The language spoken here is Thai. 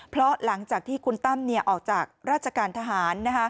เพราะหลังจากที่คุณตั้มออกจากราชการทหาร